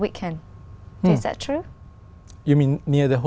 vì vậy điều đó thực sự đã giúp tôi